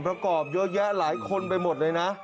ประกอบเยอะแยะหลายคนไปหมดเลยนะ